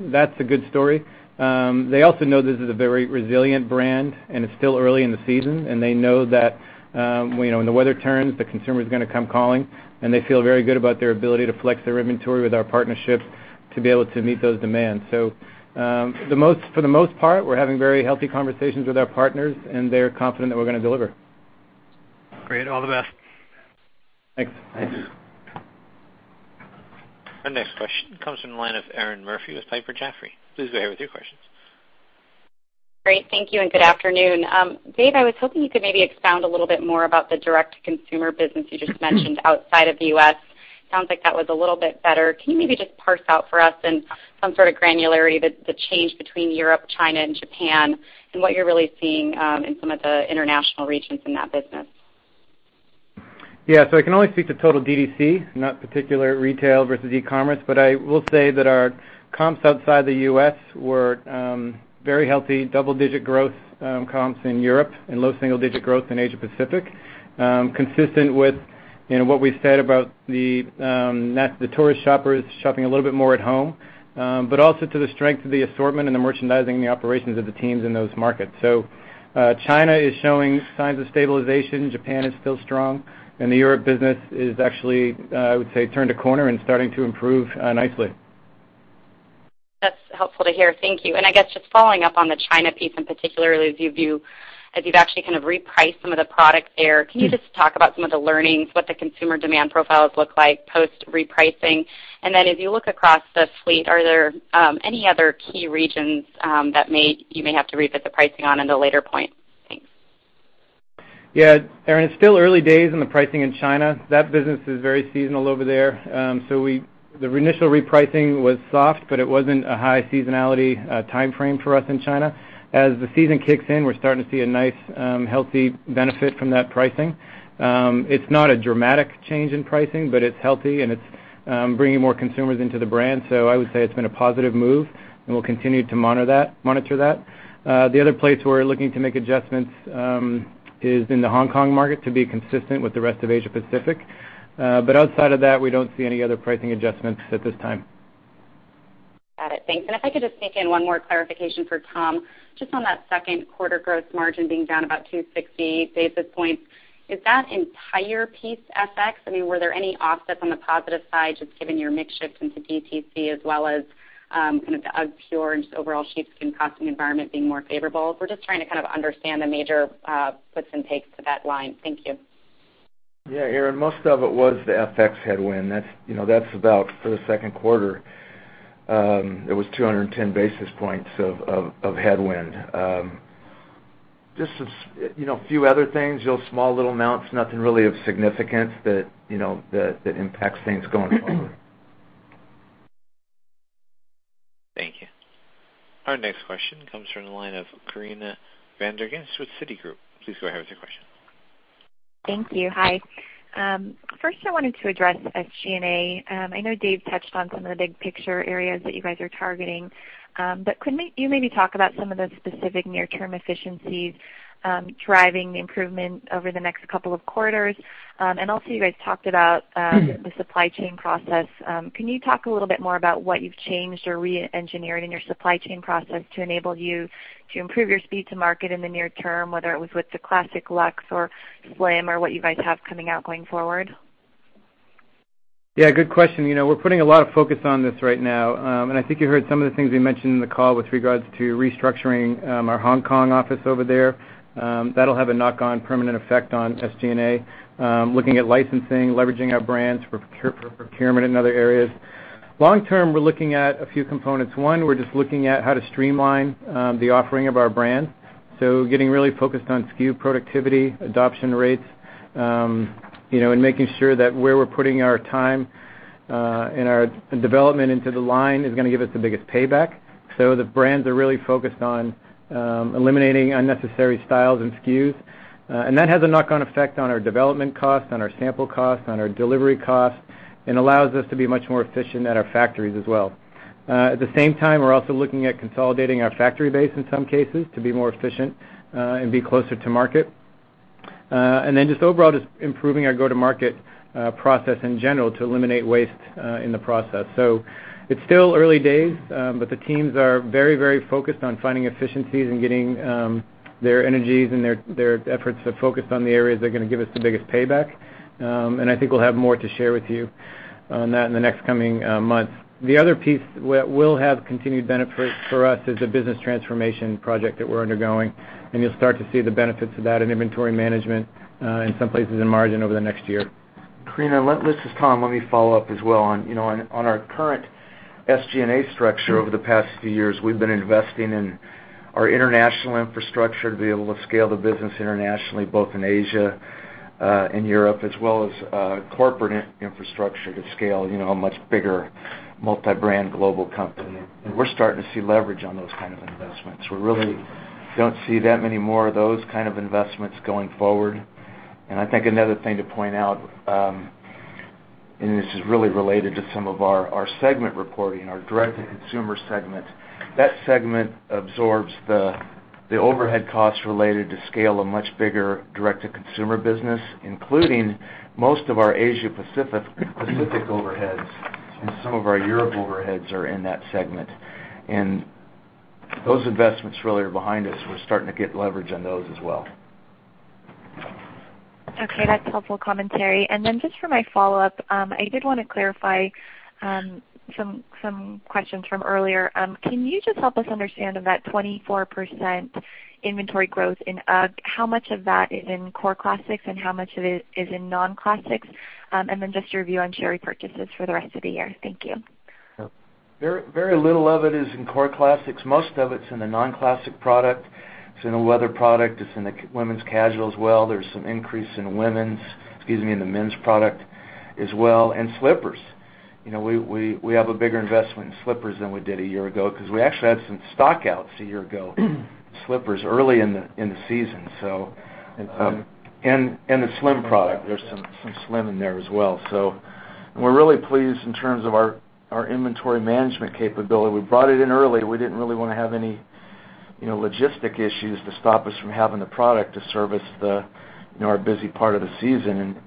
That's a good story. They also know this is a very resilient brand, and it's still early in the season, and they know that when the weather turns, the consumer's going to come calling, and they feel very good about their ability to flex their inventory with our partnership to be able to meet those demands. For the most part, we're having very healthy conversations with our partners, and they're confident that we're going to deliver. Great. All the best. Thanks. Thank you. Our next question comes from the line of Erinn Murphy with Piper Jaffray. Please go ahead with your questions. Great. Thank you and good afternoon. Dave, I was hoping you could maybe expound a little bit more about the direct-to-consumer business you just mentioned outside of the U.S. Sounds like that was a little bit better. Can you maybe just parse out for us in some sort of granularity the change between Europe, China, and Japan and what you're really seeing in some of the international regions in that business? Yeah. I can only speak to total DTC, not particular retail versus e-commerce. I will say that our comps outside the U.S. were very healthy, double-digit growth comps in Europe and low single-digit growth in Asia Pacific. Consistent with what we've said about the tourist shoppers shopping a little bit more at home. Also to the strength of the assortment and the merchandising and the operations of the teams in those markets. China is showing signs of stabilization. Japan is still strong. The Europe business is actually, I would say, turned a corner and starting to improve nicely. That's helpful to hear. Thank you. I guess just following up on the China piece, and particularly as you've actually kind of repriced some of the products there. Can you just talk about some of the learnings, what the consumer demand profiles look like post-repricing? Then as you look across the suite, are there any other key regions that you may have to revisit the pricing on at a later point? Thanks. Yeah. Erinn, it's still early days in the pricing in China. That business is very seasonal over there. The initial repricing was soft, but it wasn't a high seasonality timeframe for us in China. As the season kicks in, we're starting to see a nice healthy benefit from that pricing. It's not a dramatic change in pricing, but it's healthy, and it's bringing more consumers into the brand. I would say it's been a positive move, and we'll continue to monitor that. The other place we're looking to make adjustments is in the Hong Kong market to be consistent with the rest of Asia Pacific. Outside of that, we don't see any other pricing adjustments at this time. Got it. Thanks. If I could just sneak in one more clarification for Tom, just on that second quarter gross margin being down about 260 basis points. Is that entire piece FX? Were there any offsets on the positive side, just given your mix shift into DTC, as well as kind of the UGGpure and just overall sheepskin costing environment being more favorable? We're just trying to kind of understand the major puts and takes to that line. Thank you. Yeah, Erinn. Most of it was the FX headwind. That's about for the second quarter. It was 210 basis points of headwind. Just a few other things, small little amounts, nothing really of significance that impacts things going forward. Thank you. Our next question comes from the line of Corinna van der Ghinst with Citigroup. Please go ahead with your question. Thank you. Hi. First I wanted to address SG&A. I know Dave touched on some of the big picture areas that you guys are targeting. Could you maybe talk about some of the specific near-term efficiencies driving the improvement over the next couple of quarters? You guys talked about the supply chain process. Can you talk a little bit more about what you've changed or re-engineered in your supply chain process to enable you to improve your speed to market in the near term, whether it was with the Classic Luxe or Classic Slim or what you guys have coming out going forward? Yeah, good question. We're putting a lot of focus on this right now. I think you heard some of the things we mentioned in the call with regards to restructuring our Hong Kong office over there. That'll have a knock-on permanent effect on SG&A. Looking at licensing, leveraging our brands for procurement in other areas. Long term, we're looking at a few components. One, we're just looking at how to streamline the offering of our brand. Getting really focused on SKU productivity, adoption rates, and making sure that where we're putting our time and our development into the line is going to give us the biggest payback. The brands are really focused on eliminating unnecessary styles and SKUs. That has a knock-on effect on our development cost, on our sample cost, on our delivery cost, and allows us to be much more efficient at our factories as well. At the same time, we're also looking at consolidating our factory base in some cases to be more efficient and be closer to market. Just overall, just improving our go-to-market process in general to eliminate waste in the process. It's still early days, but the teams are very focused on finding efficiencies and getting their energies and their efforts focused on the areas that are going to give us the biggest payback. I think we'll have more to share with you on that in the next coming months. The other piece that will have continued benefit for us is the business transformation project that we're undergoing, and you'll start to see the benefits of that in inventory management, and some places in margin over the next year. Corinna, this is Tom. Let me follow up as well. On our current SG&A structure over the past few years, we've been investing in our international infrastructure to be able to scale the business internationally, both in Asia and Europe, as well as corporate infrastructure to scale a much bigger multi-brand global company. We're starting to see leverage on those kind of investments. We really don't see that many more of those kind of investments going forward. This is really related to some of our segment reporting, our Direct-to-Consumer segment. That segment absorbs the overhead costs related to scale, a much bigger Direct-to-Consumer business, including most of our Asia Pacific overheads, and some of our Europe overheads are in that segment. Those investments really are behind us. We're starting to get leverage on those as well. Okay, that's helpful commentary. Just for my follow-up, I did want to clarify some questions from earlier. Can you just help us understand of that 24% inventory growth in UGG, how much of that is in core classics and how much of it is in non-classics? Just your view on share repurchases for the rest of the year. Thank you. Very little of it is in core classics. Most of it's in the non-classic product. It's in the leather product, it's in the women's casual as well. There's some increase in the men's product as well, and slippers. We have a bigger investment in slippers than we did a year ago because we actually had some stock outs a year ago, slippers early in the season. The slim product, there's some slim in there as well. We're really pleased in terms of our inventory management capability. We brought it in early. We didn't really want to have any logistic issues to stop us from having the product to service our busy part of the season.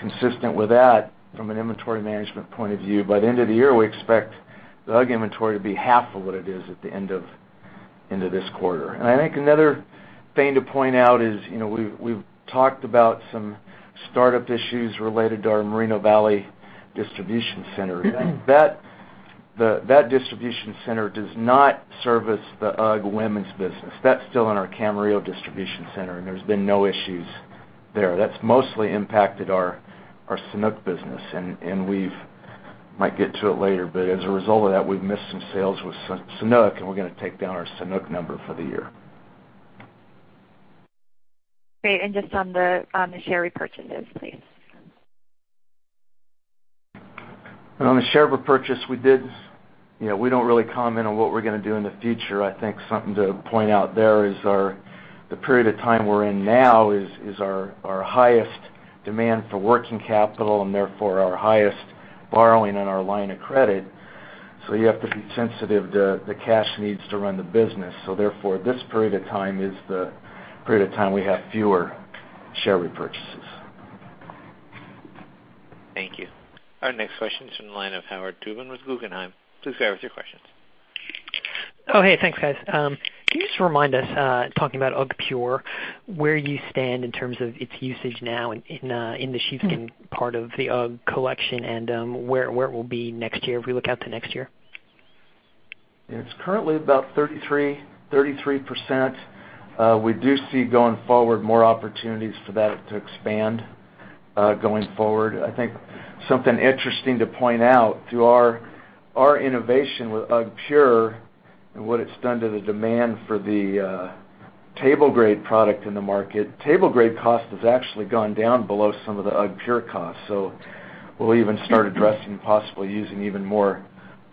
Consistent with that, from an inventory management point of view, by the end of the year, we expect the UGG inventory to be half of what it is at the end of this quarter. I think another thing to point out is we've talked about some startup issues related to our Moreno Valley distribution center. That distribution center does not service the UGG women's business. That's still in our Camarillo distribution center, and there's been no issues there. That's mostly impacted our Sanuk business, and we might get to it later, but as a result of that, we've missed some sales with Sanuk, and we're going to take down our Sanuk number for the year. Great. Just on the share repurchases, please. On the share repurchase, we don't really comment on what we're going to do in the future. I think something to point out there is the period of time we're in now is our highest demand for working capital, and therefore our highest borrowing on our line of credit. You have to be sensitive to the cash needs to run the business. Therefore, this period of time is the period of time we have fewer share repurchases. Thank you. Our next question is from the line of Howard Tubin with Guggenheim. Please go ahead with your questions. Hey. Thanks, guys. Can you just remind us, talking about UGGpure, where you stand in terms of its usage now in the sheepskin part of the UGG collection and where it will be next year if we look out to next year? It's currently about 33%. We do see going forward more opportunities for that to expand going forward. I think something interesting to point out through our innovation with UGGpure and what it's done to the demand for the table grade product in the market, table grade cost has actually gone down below some of the UGGpure costs. We'll even start addressing possibly using even more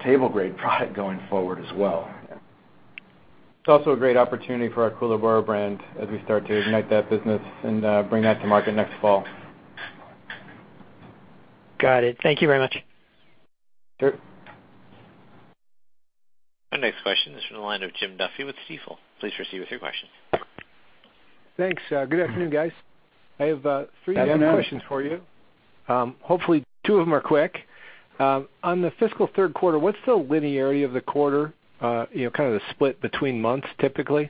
table grade product going forward as well. It's also a great opportunity for our Koolaburra brand as we start to ignite that business and bring that to market next fall. Got it. Thank you very much. Sure. Our next question is from the line of Jim Duffy with Stifel. Please proceed with your questions. Thanks. Good afternoon, guys. I have three different questions for you. Hopefully, two of them are quick. On the fiscal third quarter, what's the linearity of the quarter, kind of the split between months, typically?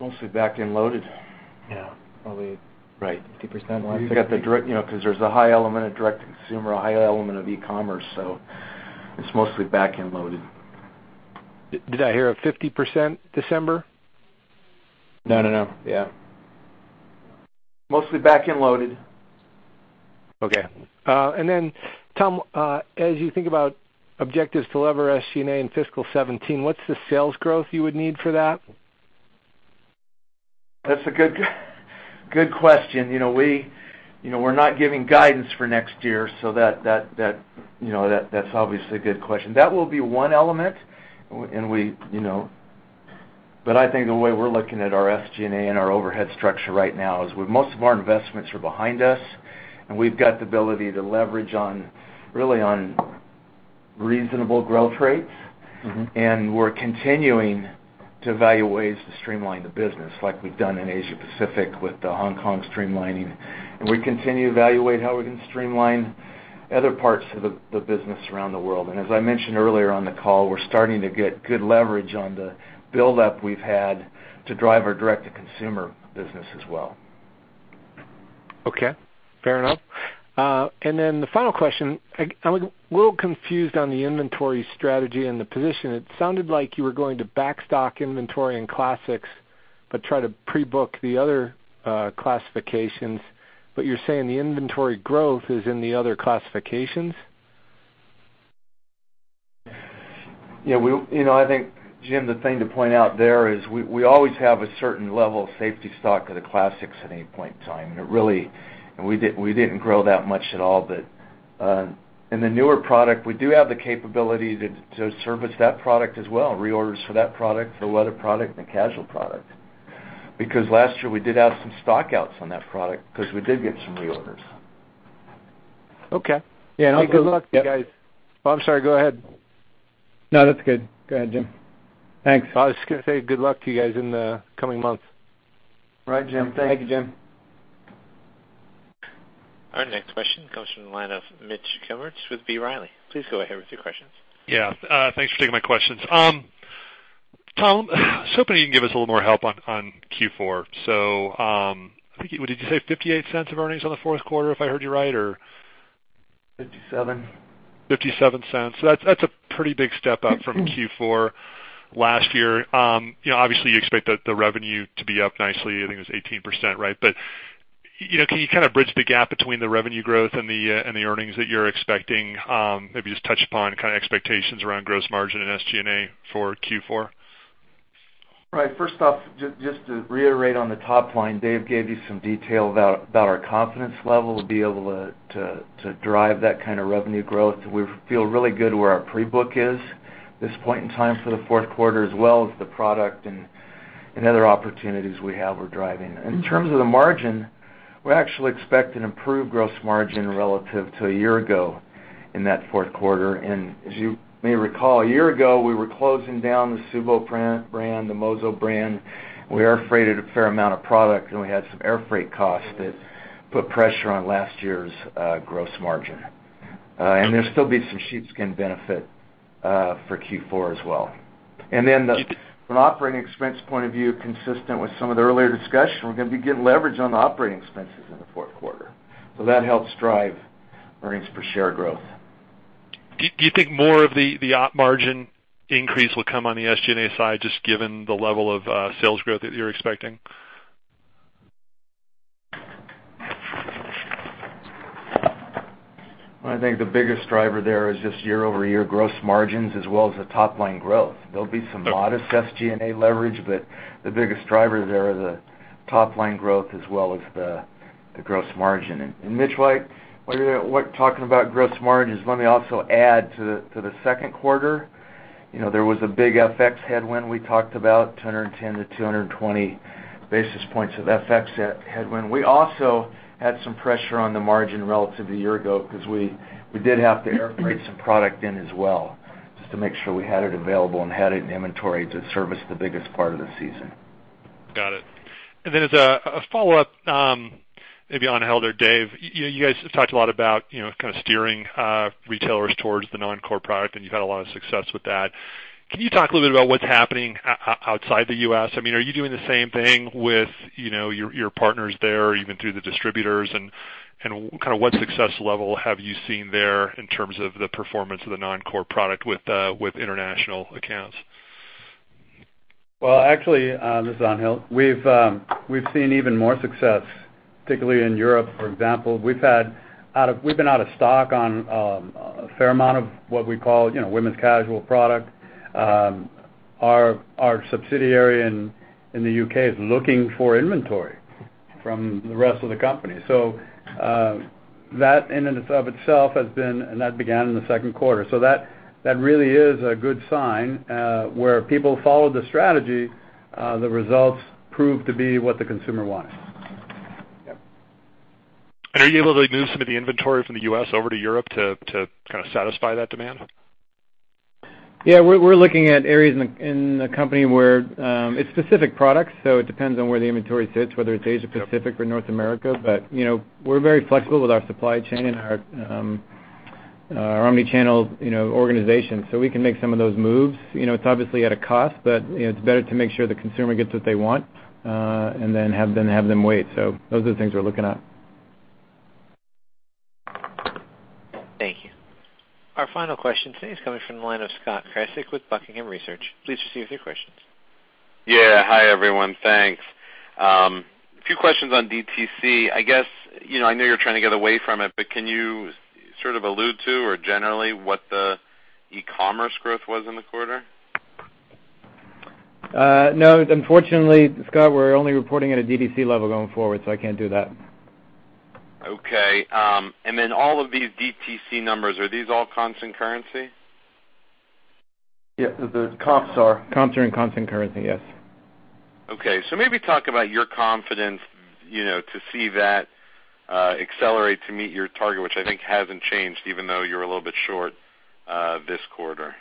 Mostly back-end loaded. Yeah. Right. 50% There's a high element of direct-to-consumer, a high element of e-commerce, so it's mostly back-end loaded. Did I hear a 50% December? No. Yeah. Mostly back-end loaded. Okay. Then, Tom, as you think about objectives to lever SG&A in FY 2017, what's the sales growth you would need for that? That's a good question. We're not giving guidance for next year, so that's obviously a good question. That will be one element. I think the way we're looking at our SG&A and our overhead structure right now is most of our investments are behind us, and we've got the ability to leverage really on reasonable growth rates. We're continuing to evaluate ways to streamline the business like we've done in Asia Pacific with the Hong Kong streamlining. We continue to evaluate how we can streamline other parts of the business around the world. As I mentioned earlier on the call, we're starting to get good leverage on the buildup we've had to drive our direct-to-consumer business as well. Okay. Fair enough. Then the final question, I'm a little confused on the inventory strategy and the position. It sounded like you were going to back stock inventory in classics, but try to pre-book the other classifications. You're saying the inventory growth is in the other classifications? I think, Jim, the thing to point out there is we always have a certain level of safety stock of the classics at any point in time. We didn't grow that much at all. In the newer product, we do have the capability to service that product as well, reorders for that product, for leather product, and casual product. Last year, we did have some stock outs on that product because we did get some reorders. Okay. Yeah. Good luck to you guys. Oh, I'm sorry. Go ahead. No, that's good. Go ahead, Jim. Thanks. I was just going to say good luck to you guys in the coming months. Right, Jim. Thank you, Jim. Our next question comes from the line of Mitch Kummetz with B. Riley. Please go ahead with your questions. Yeah. Thanks for taking my questions. Tom, I was hoping you can give us a little more help on Q4. I think, what did you say? $0.58 of earnings on the fourth quarter, if I heard you right or $0.57. $0.57. That's a pretty big step up from Q4 last year. Obviously, you expect the revenue to be up nicely. I think it was 18%, right? Can you kind of bridge the gap between the revenue growth and the earnings that you're expecting? Maybe just touch upon expectations around gross margin and SG&A for Q4. Right. First off, just to reiterate on the top line, Dave gave you some detail about our confidence level to be able to drive that kind of revenue growth. We feel really good where our pre-book is this point in time for the fourth quarter, as well as the product and other opportunities we have we're driving. In terms of the margin, we actually expect an improved gross margin relative to a year ago in that fourth quarter. As you may recall, a year ago, we were closing down the Sovo brand, the MOZO brand. We air freighted a fair amount of product, and we had some air freight costs that put pressure on last year's gross margin. There'll still be some sheepskin benefit for Q4 as well. From an operating expense point of view, consistent with some of the earlier discussion, we're going to be getting leverage on the operating expenses in the fourth quarter. That helps drive earnings per share growth. Do you think more of the op margin increase will come on the SG&A side, just given the level of sales growth that you're expecting? I think the biggest driver there is just year-over-year gross margins as well as the top-line growth. There'll be some modest SG&A leverage, but the biggest driver there is the top-line growth as well as the gross margin. Mitch, while talking about gross margins, let me also add to the second quarter, there was a big FX headwind we talked about, 210-220 basis points of FX headwind. We also had some pressure on the margin relative to a year ago because we did have to air freight some product in as well just to make sure we had it available and had it in inventory to service the biggest part of the season. Got it. As a follow-up, maybe on [Helder], Dave, you guys have talked a lot about kind of steering retailers towards the non-core product, and you've had a lot of success with that. Can you talk a little about what's happening outside the U.S.? Are you doing the same thing with your partners there, even through the distributors, and what success level have you seen there in terms of the performance of the non-core product with international accounts? Well, actually, this is Angel. We've seen even more success, particularly in Europe, for example. We've been out of stock on a fair amount of what we call women's casual product. Our subsidiary in the U.K. is looking for inventory from the rest of the company. And that began in the second quarter. That really is a good sign. Where people follow the strategy, the results prove to be what the consumer wants. Yeah. Are you able to move some of the inventory from the U.S. over to Europe to kind of satisfy that demand? Yeah, we're looking at areas in the company where it's specific products, it depends on where the inventory sits, whether it's Asia Pacific or North America. We're very flexible with our supply chain and our omni-channel organization, we can make some of those moves. It's obviously at a cost, but it's better to make sure the consumer gets what they want and then have them wait. Those are the things we're looking at. Thank you. Our final question today is coming from the line of Scott Krasik with Buckingham Research. Please proceed with your questions. Yeah. Hi, everyone. Thanks. A few questions on DTC. I guess, I know you're trying to get away from it, can you sort of allude to or generally what the e-commerce growth was in the quarter? No, unfortunately, Scott, we're only reporting at a DTC level going forward. I can't do that. Okay. All of these DTC numbers, are these all constant currency? Yes, the comps are. Comps are in constant currency, yes. Okay. Maybe talk about your confidence to see that accelerate to meet your target, which I think hasn't changed even though you're a little bit short this quarter.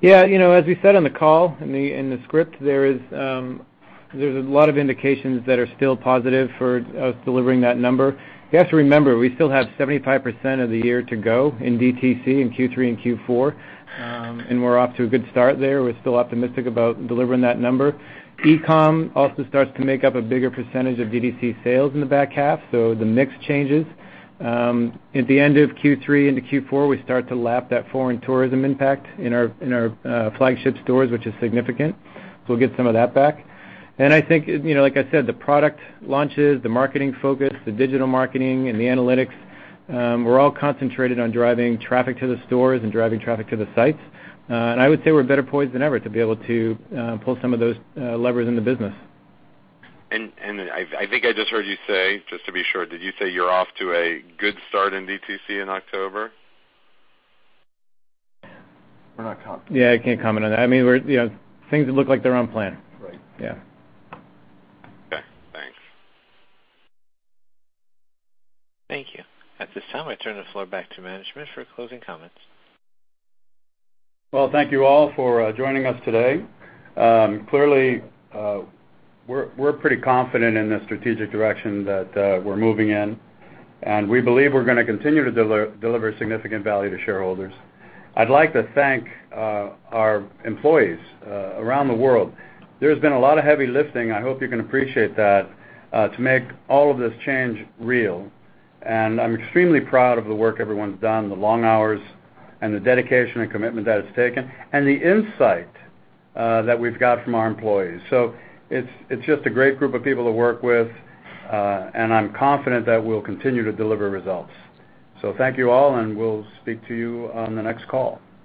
Yeah. As we said on the call, in the script, there's a lot of indications that are still positive for us delivering that number. You have to remember, we still have 75% of the year to go in DTC in Q3 and Q4, and we're off to a good start there. We're still optimistic about delivering that number. E-com also starts to make up a bigger percentage of DTC sales in the back half, the mix changes. At the end of Q3 into Q4, we start to lap that foreign tourism impact in our flagship stores, which is significant. We'll get some of that back. I think, like I said, the product launches, the marketing focus, the digital marketing, and the analytics, we're all concentrated on driving traffic to the stores and driving traffic to the sites. I would say we're better poised than ever to be able to pull some of those levers in the business. I think I just heard you say, just to be sure, did you say you're off to a good start in DTC in October? We're not commenting. Yeah, I can't comment on that. Things look like they're on plan. Right. Yeah. Okay. Thanks. Thank you. At this time, I turn the floor back to management for closing comments. Well, thank you all for joining us today. Clearly, we're pretty confident in the strategic direction that we're moving in, and we believe we're going to continue to deliver significant value to shareholders. I'd like to thank our employees around the world. There's been a lot of heavy lifting, I hope you can appreciate that, to make all of this change real. I'm extremely proud of the work everyone's done, the long hours and the dedication and commitment that it's taken, and the insight that we've got from our employees. It's just a great group of people to work with, and I'm confident that we'll continue to deliver results. Thank you all, and we'll speak to you on the next call.